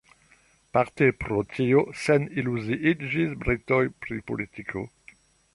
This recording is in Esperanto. Parte pro tio seniluziiĝis britoj pri politiko.